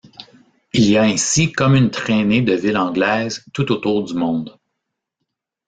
Il y a ainsi comme une traînée de villes anglaises tout autour du monde.